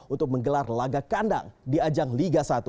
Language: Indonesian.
untuk menggelar laga kandang di ajang liga satu